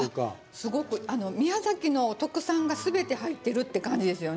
すごく宮崎の特産がすべて入ってるって感じですよね。